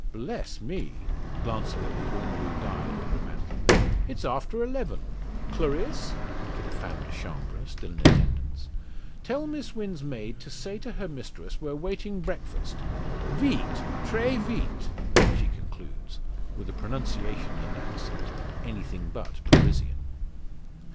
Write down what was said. Bless me," glancing at the ormolu dial over the mantel, "it's after eleven, Clarisse," to the femme de chambre, still in attendance, "tell Miss Wynn's maid to say to her mistress we're waiting breakfast. Veet, tray veet!" she concludes, with a pronunciation and accent anything but Parisian.